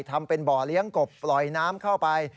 ทำเป็นบ่อเลี้ยงกบปล่อยน้ำเข้าไป